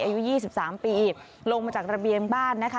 อายุ๒๓ปีลงมาจากระเบียงบ้านนะคะ